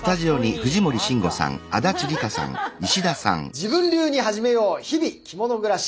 「自分流にはじめよう！日々、キモノ暮らし」。